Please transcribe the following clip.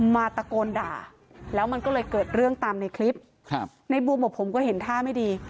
มาตะโกนด่าแล้วมันก็เลยเกิดเรื่องตามในคลิปครับในบูมบอกผมก็เห็นท่าไม่ดี